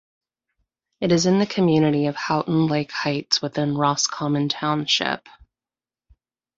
It is in the community of Houghton Lake Heights within Roscommon Township.